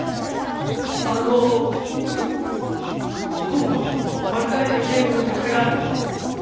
今度幕張でゲームのフェスがあるんです。